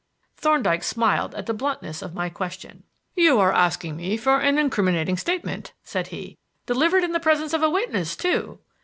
Thorndyke smiled at the bluntness of my question. "You are asking me for an incriminating statement," said he, "delivered in the presence of a witness too.